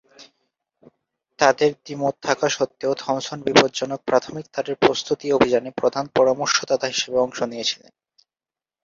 তাদের দ্বিমত থাকা সত্ত্বেও, থমসন বিপজ্জনক প্রাথমিক তারের প্রস্তুতি অভিযানে প্রধান পরামর্শদাতা হিসাবে অংশ নিয়েছিলেন।